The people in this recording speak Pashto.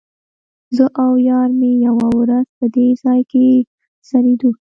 زه او یار مې یوه ورځ په دې ځای کې څریدو.